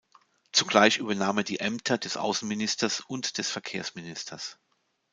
Zugleich übernahm er die Ämter des Außenministers und des Verkehrsministers.